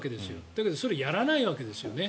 だけどそれはやらないわけですよね。